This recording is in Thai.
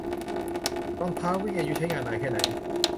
รองเท้าวิ่งอายุใช้งานนานแค่ไหน